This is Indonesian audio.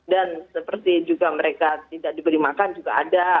dan seperti juga mereka tidak diberi makan juga ada